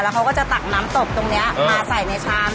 เขาก็จะตักน้ำตกตรงนี้มาใส่ในชาม